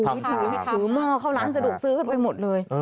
ถือหม้อเข้าร้านสะดวกซื้อกันไปหมดเลย